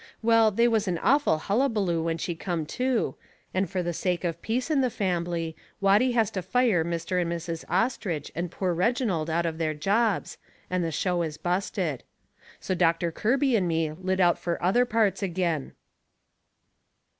Well, they was an awful hullaballo when she come to, and fur the sake of peace in the fambly Watty has to fire Mr. and Mrs. Ostrich and poor old Reginald out of their jobs, and the show is busted. So Doctor Kirby and me lit out fur other parts agin.